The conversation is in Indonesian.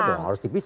ya ya harus dipisah